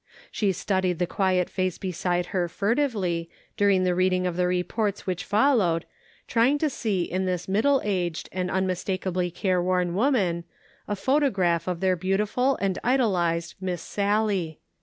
She studied the quiet face beside her furtively, during the reading of the reports which fol lowed, trying to see in this middle aged, and unmistakably careworn woman, a photograph of their beautiful and idolized Miss Sallie.